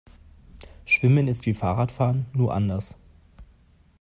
Schwimmen ist wie Fahrradfahren, nur anders.